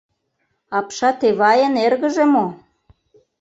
— Апшат Эвайын эргыже мо?